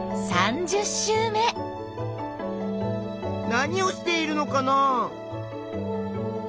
何をしているのかな？